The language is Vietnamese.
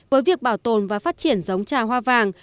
với việc bảo tồn và phát triển giống trà hoa vàng